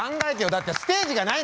だってステージがないのよ！